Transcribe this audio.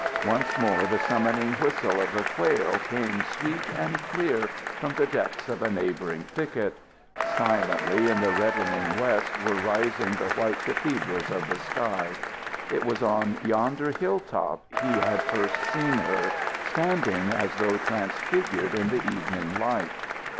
Once more the summoning whistle of the quail came sweet and clear from the depths of a neighboring thicket. Silently in the reddening west were rising the white cathedrals of the sky. It was on yonder hill top he had first seen her, standing as though transfigured in the evening light.